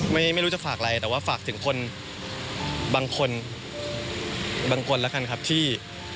ไม่รู้จะฝากอะไรแต่ว่าฝากถึงคนบางคนบางคนแล้วกันครับที่